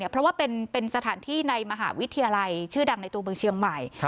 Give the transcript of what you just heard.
เพราะว่าเป็นสถานที่ในมหาวิทยาลัยชื่อดังในตัวเมืองเชียงใหม่